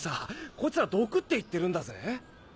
こいつらどくって言ってるんだぜ？